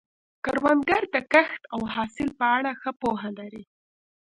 کروندګر د کښت او حاصل په اړه ښه پوهه لري